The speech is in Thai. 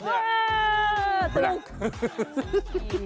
อ่าทุกขวาน